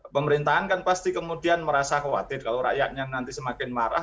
pemerintahan kan pasti kemudian merasa khawatir kalau rakyatnya nanti semakin marah